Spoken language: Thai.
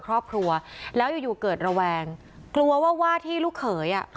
ครอบครัวแล้วอยู่อยู่เกิดระแวงกลัวว่าว่าที่ลูกเขยอ่ะ